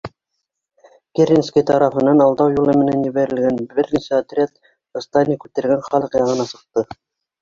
Керенский тарафынан алдау юлы менән ебәрелгән бер нисә отряд восстание күтәргән халыҡ яғына сыҡты.